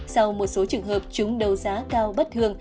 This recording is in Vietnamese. sau một số trường hợp chúng đấu giá cao bất thường